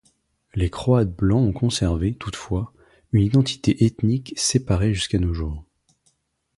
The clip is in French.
Les Croates blancs ont conservé, toutefois, une identité ethnique séparée jusqu'à nos jours.